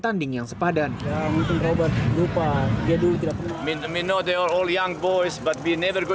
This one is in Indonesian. dan di laga perdana psm tidak bisa menang